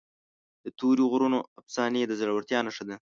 د تورې غرونو افسانې د زړورتیا نښه ده.